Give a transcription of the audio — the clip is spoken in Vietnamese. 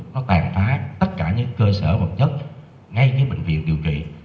nó tàn phá tất cả những cơ sở bậc chất ngay cái bệnh viện điều trị